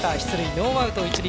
ノーアウト、一塁。